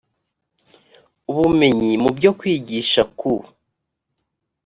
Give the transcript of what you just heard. ubumenyi mu byo kwigisha ku